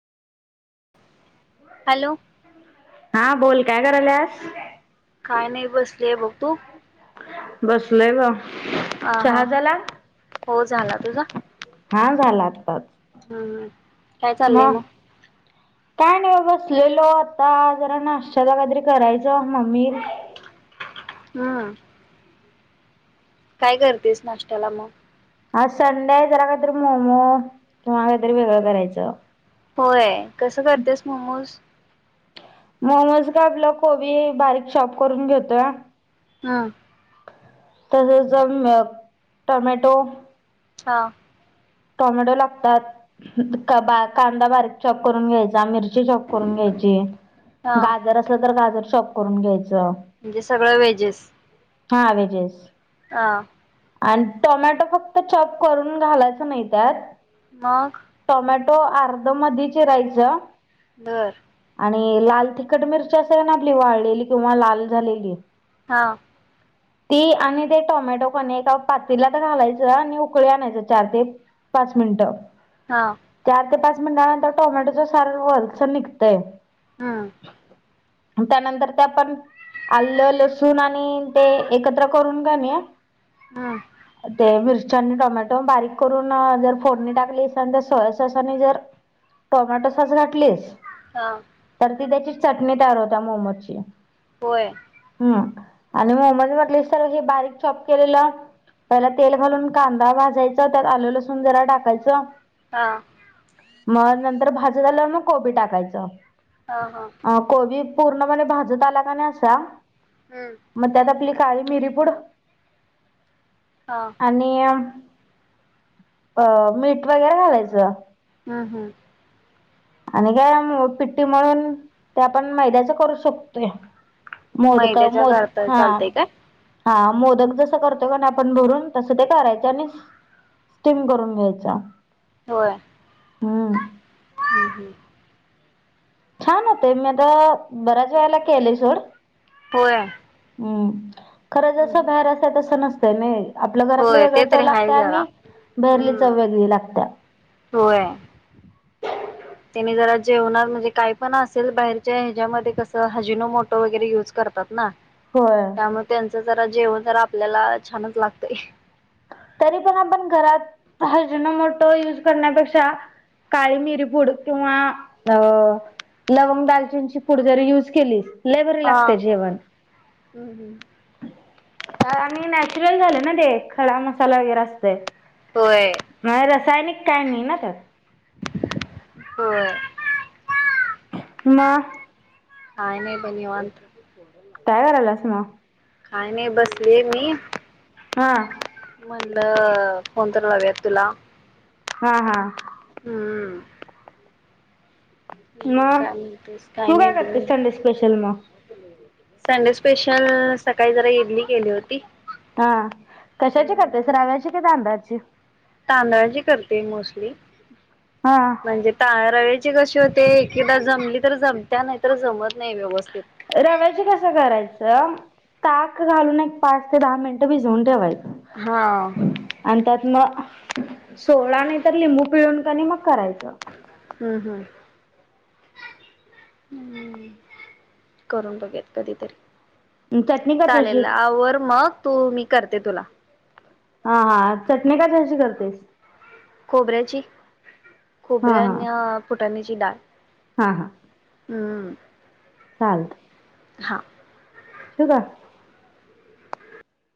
Hello [unintelligible] हा बोल, काय कराल्यास? काय नाही बसलीय बघ बसलंय बा. अ हा, हो, झाला तुझा? हा झाला आत्ताच. हम्म काय चाललंय मग. काय नाही बसलेलो आता जरा नाश्तला काहीतरी करायचं, मग मी हम्म. काय करतेस नाश्त्याला मग? हा संडे आहे जरा काहीतरी मोमो किंवा काहीतरी वेगळं करायचं. होय. कसं करतेस मोमोज? मोमोज काय आपल कोबी बारीक चॉप करून घेतोय. हम्म. तसच जम अ टमॅटो. हा. टोमॅटो लागतात, कांदा बारीक चॉप करून घ्यायचा मिरची. मिरची चॉप करून घ्यायची, हा गाजर असले तर गाजर. चॉप करून घ्यायच. म्हणजे सगळं व्हेजेस. हा व्हेजेस. हा. आणि टोमॅटो फक्त चॉप करून घालायचं नाही. त्यात. मग. तो अर्ध मधी चिरायचा. बर. आणि लाल तिखट मिरची असेल ना आपली वाळलेली किंवा लाल झालेली. हा. ती आणि ते टोमॅटो पण एका पातळीला तर घालायचं आणि उकळी आणायचं चार ते. पाच मिनिटं. हा. चार ते पाच मिनटनंतर टोमॅटोचं साल वरच निघतंय. हम्म. त्यानंतर ते आपण आलं, लसूण आणि ते एकत्र करून घालणे. हम्म ते मिरची. टोमॅटो बारीक करून. जर फोडणी टाकलीस आणि सोया सॉस आणि जर टोमॅटो सॉस घातलीस. हा तर ती त्याची. चटणी तयार होता मोमोची. होय. आणि मोमज म्हटली सर बारीक चॉप केलेलं, पहिला तेल घालून कांदा भाजायचा त्यात आले लसूण. सुंदरा टाकायचं. हा. मग नंतर भाजी झाल्यावर मग कोबी टाकायचं. हा गोबी. पूर्णपणे भाजत आला का नाही असा. हम्म मग त्यात आपली काळी मिरीपुड. हा आणि. अ मीठ वगैरे घालायचं. हं हं. आणि काय पिट्टी मळून ते आपण मैद्याच करू शकतोय मोदका मैद्याच्या मोद करता हा चालतय काय हा मोदक जस करतोय का नाही आपण भरून तसं ते करायच आणि स्टीम करून घ्यायचा. होय ह्म्म. हम्म हम्म छान होते मेद बऱ्याच वेळेला केलंय सोड, होय हम्म [inaudible] खरं हम्म जसं हम्म बाहेर असाय तसं नसत. त्यामे. आपलं घरातलं होय ते वेगळ चव तरी लागत हाय जरा. आणि भहेरली हम्म. चव वेगळी लागत्या. होय. तिने जरा जेवणार म्हणजे काय पण असेल बाहेरच्या ह्याच्यामध्ये कसं हजिनो मोटो वगैरे युज करतात ना. होय त्यामुळे त्यांच ज त जेवण तर आपल्याला छानच लागतय तरी पण आपण घरात हजिनो मोटो यूज करण्यापेक्षा काळी मिरीपूड किंवा अ लवंग, दालचिनची पूड जरी यूज केली लय भारी हा लागते जेवण हम्म हम्म. आणि नॅचरल झाले ना, देख खडा मसाला वगैरे असतय होय नाही रसायनिक काय नाही ना त्यात होय म काय नाही ब निवांत. काय करायला असं ना? काय नाही बसले मी. हा म्हणलं फोन तर लावेन तुला हा हा हम्म म काय म्हणतेस तू नाही काय करते? बघ. संडे स्पेशल म संडे स्पेशल, सकाळी जरा इडली केली होती. हा कशाची हम्म करतेस? रव्याची की तांदळाची? तांदळाची करते, मोस्टली. हा म्हणजे ता- रव्याची - ती कशी होते, एकदा जमली तर जमत्या, नाही तर जमत नाही व्यवस्थित. रव्याच कसं करायचं? ताक घालून एक पाच ते दहा मिनिटं भिजवून ठेवाय हा. आणि त्यात म सोडा, नाही तर लिंबू, पिळून का नाय मग- करायचं. हम्म हम्म हम्म, करून बघुयात कधीतरी. चटणी कशाची चालेल, आवर मग, तू मी करते तुला. हा, हा, चटणी का? कशी करतेस? खोबऱ्याची. खोबरे हा हा अन फुटाण्याची डाळ. हा हा हम्म. चाल. हा. ठेवू का?